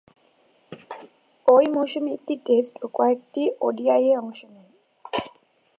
ঐ মৌসুমে একটি টেস্ট ও কয়েকটি ওডিআইয়ে অংশ নেন।